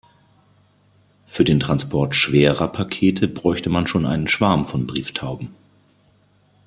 Für den Transport schwerer Pakete bräuchte man schon einen Schwarm von Brieftauben.